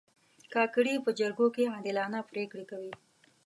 کاکړي په جرګو کې عادلانه پرېکړې کوي.